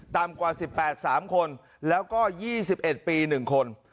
กว่า๑๘๓คนแล้วก็๒๑ปี๑คน